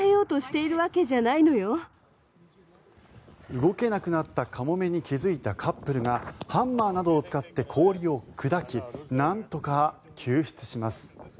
動けなくなったカモメに気付いたカップルがハンマーなどを使って氷を砕きなんとか救出します。